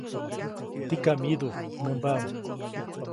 Tikam myidu, nämbaʼuŋ.